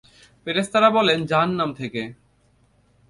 ফেরেশতারা বলেনঃ জাহান্নাম থেকে।